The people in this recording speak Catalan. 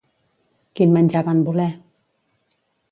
Quin menjar van voler?